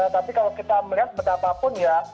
tapi kalau kita melihat betapapun ya